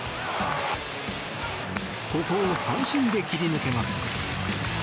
ここを三振で切り抜けます。